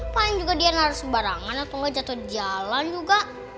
paling juga dia naras barangan atau gak jatuh jalan juga